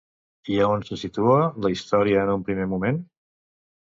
I a on se situa la història en un primer moment?